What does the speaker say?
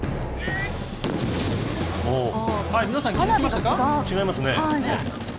皆さん、違いますね。